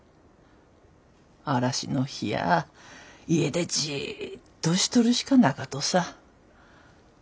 嵐の日や家でじっとしとるしかなかとさ。